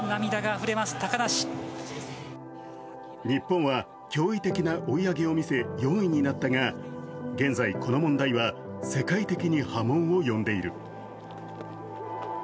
日本は驚異的な追い上げを見せ４位になったが現在、この問題は世界的に波紋を呼んでいる。